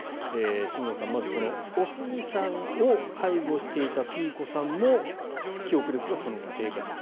新郷さん、まずおすぎさんを介護していたピーコさんも記憶力がその後、低下したと。